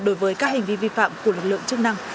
đối với các hành vi vi phạm của lực lượng chức năng